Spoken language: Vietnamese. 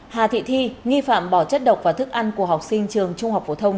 hà thị thi nghi phạm bỏ chất độc và thức ăn của học sinh trường trung học phổ thông